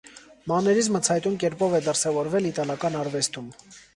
Մաներիզմը ցայտուն կերպով է դրսևորվել իտալական արվեստում։